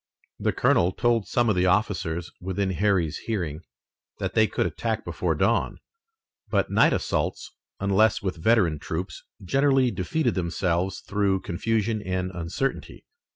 The colonel told some of the officers within Harry's hearing that they could attack before dawn, but night assaults, unless with veteran troops, generally defeated themselves through confusion and uncertainty.